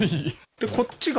でこっちが？